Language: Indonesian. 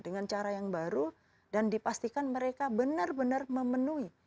dengan cara yang baru dan dipastikan mereka benar benar memenuhi